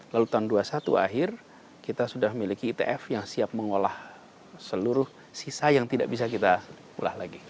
lalu tahun dua puluh satu akhir kita sudah memiliki itf yang siap mengolah seluruh sisa yang tidak bisa kita olah lagi